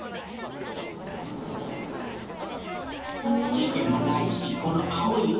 事件もないしこの青い海！